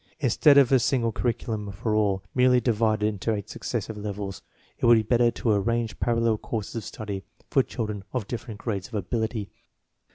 Instead of a single curriculum for all, merely divided into eight successive levels, it would be better to arrange parallel courses of study for children of different grades of ability.